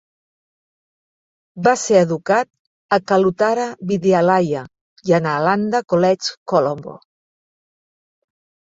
Va ser educat a Kalutara Vidyalaya i a Nalanda College Colombo.